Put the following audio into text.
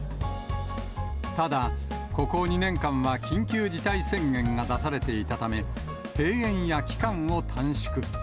ただ、ここ２年間は緊急事態宣言が出されていたため、閉園や期間を短縮。